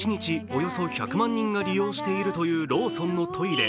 およそ１００万人が利用しているというローソンのトイレ。